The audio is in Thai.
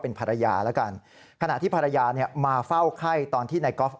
เป็นภรรยาแล้วกันขณะที่ภรรยาเนี่ยมาเฝ้าไข้ตอนที่นายกอล์ฟ